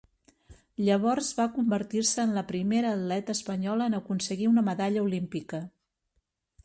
Llavors va convertir-se en la primera atleta espanyola en aconseguir una medalla olímpica.